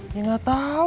ya nggak tau